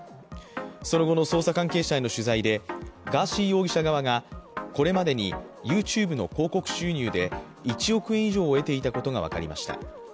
その後の捜査関係者への取材でガーシー容疑者側がこれまでにＹｏｕＴｕｂｅの広告収入で１億円以上を得ていたことが分かりました。